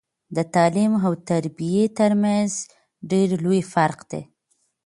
د تعليم او تربيه ترمنځ ډير لوي فرق دی